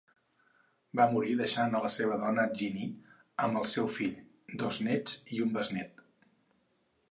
Va morir deixant a la seva dona Ginny amb el seu fill, dos néts i un besnét.